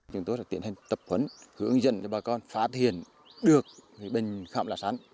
chúng tôi sẽ tiến hành tập huấn hướng dẫn cho bà con phá thiền được bệnh khảm lá sắn